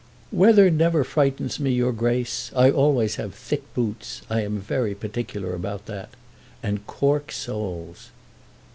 "Weather never frightens me, your Grace. I always have thick boots; I am very particular about that; and cork soles."